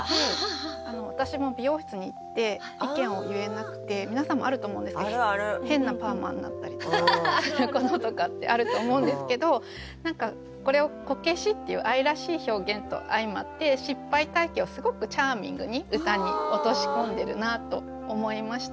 私も美容室に行って意見を言えなくて皆さんもあると思うんですけど変なパーマになったりとかすることとかってあると思うんですけど何かこれを「こけし」っていう愛らしい表現と相まって失敗体験をすごくチャーミングに歌に落とし込んでるなと思いました。